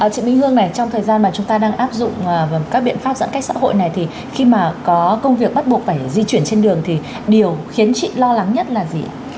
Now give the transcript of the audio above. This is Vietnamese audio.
chị minh hương này trong thời gian mà chúng ta đang áp dụng các biện pháp giãn cách xã hội này thì khi mà có công việc bắt buộc phải di chuyển trên đường thì điều khiến chị lo lắng nhất là gì ạ